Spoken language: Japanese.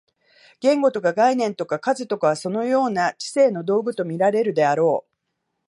言語とか概念とか数とかは、そのような知性の道具と見られるであろう。